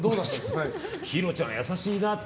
ヒロちゃんは優しいなって。